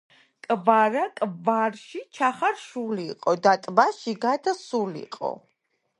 კვარა კვარში ჩახარშულიყო და ტბაში გადასულიყო